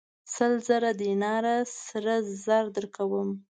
سل زره دیناره سره زر درکوم.